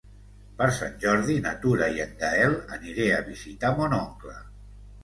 Per Sant Jordi na Tura i en Gaël aniré a visitar mon oncle.